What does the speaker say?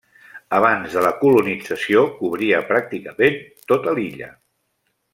Abans de la colonització cobria pràcticament tota l'illa.